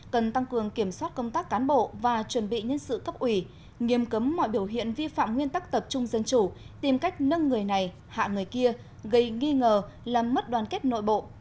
cần tăng cường kiểm soát công tác cán bộ và chuẩn bị nhân sự cấp ủy nghiêm cấm mọi biểu hiện vi phạm nguyên tắc tập trung dân chủ tìm cách nâng người này hạ người kia gây nghi ngờ làm mất đoàn kết nội bộ